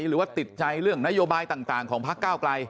หรือว่าติดใจเรื่องนโยบายต่างของพักเก้าไกล